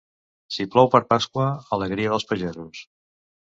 Si plou per Pasqua, alegria dels pagesos.